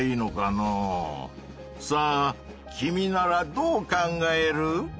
さあ君ならどう考える？